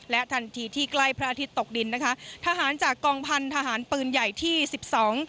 ทันทีที่ใกล้พระอาทิตย์ตกดินนะคะทหารจากกองพันธหารปืนใหญ่ที่สิบสอง